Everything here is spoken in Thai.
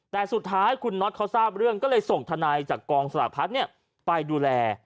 แต่สุดท้ายคุณน็อตเขาทราบเรื่องก็เลยส่งทนายจากกองสลากพัฒน์ไปดูแล